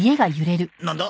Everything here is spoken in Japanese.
なんだ？